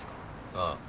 ああ。